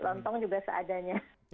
lontong juga seadanya